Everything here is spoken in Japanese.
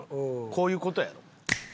こういう事やろ？